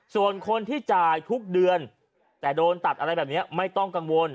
ส่วนคนที่จ่ายทุกเดือนแต่โดนตัดอะไรแบบนี้ไม่ต้องกังวล